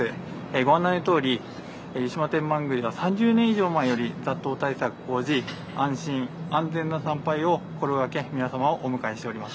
ご案内のとおり、湯島天満宮は、３０年以上前より、雑踏対策を講じ、安心安全な参拝を心がけ、皆様をお迎えしております。